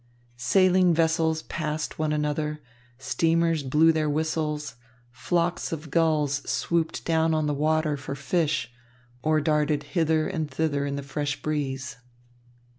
Sailing vessels passed one another, steamers blew their whistles, flocks of gulls swooped down on the water for fish, or darted hither and thither in the fresh breeze.